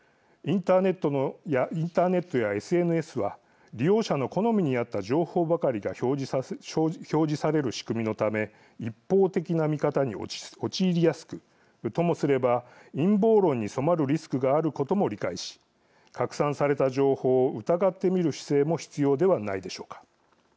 インターネットやＳＮＳは利用者の好みにあった情報ばかりが表示される仕組みのため一方的な見方に陥りやすくともすれば陰謀論に染まるリスクがあることも理解し拡散された情報を疑ってみる姿勢も必要ではないでしょうか。